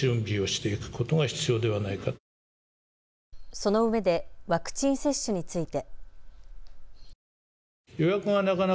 そのうえでワクチン接種について。